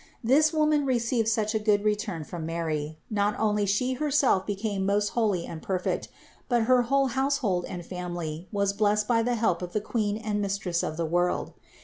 This woman received such a good return from Mary, that not only she herself became most holy and perfect, but her whole household and family was blessed by the help of the Queen and Mistress of the world.